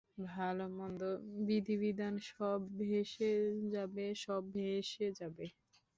ভালো-মন্দর বিধিবিধান সব ভেসে যাবে, সব ভেসে যাবে।